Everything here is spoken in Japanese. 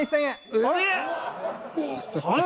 えっ！？